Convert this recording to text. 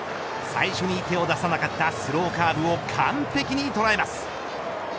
最初に手を出さなかったスローカーブを完璧に捉えます。